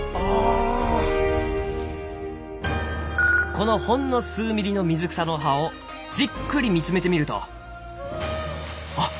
このほんの数ミリの水草の葉をじっくり見つめてみるとあっ